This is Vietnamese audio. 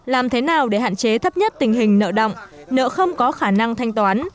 làm thế nào để hạn chế thấp nhất tình hình nợ động nợ không có khả năng thanh toán